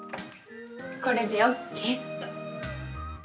◆これでオーケーっと。